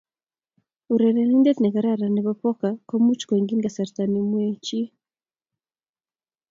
urerenindet ne karan nebo poker ko much koingen kasarta ne mwei chii